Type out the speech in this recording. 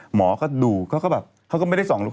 หมอก็ดูไม่ได้ส่องลูก